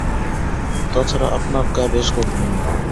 তা ছাড়া আপনার গা বেশ গরম।